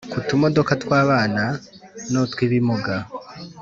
ku tumodoka tw'abana n'utw'ibimuga